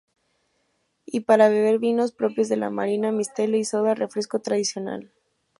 Y para beber, vinos propios de La Marina, mistela y soda, refresco tradicional.